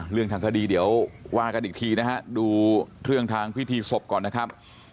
เรื่องทางคดีเดี๋ยวว่ากันอีกทีนะฮะดูเรื่องทางพิธีศพก่อนนะครับ